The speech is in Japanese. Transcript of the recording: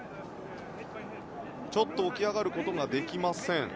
ちょっと起き上がることができません。